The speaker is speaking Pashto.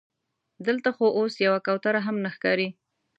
دلته خو اوس یوه کوتره هم نه ښکاري.